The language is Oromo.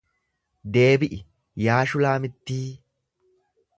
Deebi'i yaa Shulaamittii.